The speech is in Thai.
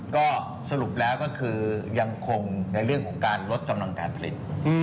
ก็สรุปแล้วก็คือยังคงในเรื่องของการลดกำลังการผลิต